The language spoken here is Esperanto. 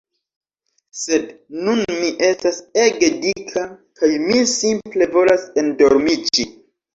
Sed nun mi estas ege dika kaj mi simple volas endormiĝi